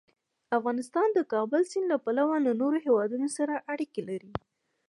افغانستان د د کابل سیند له پلوه له نورو هېوادونو سره اړیکې لري.